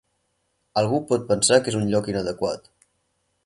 Algú pot pensar que és un lloc inadequat.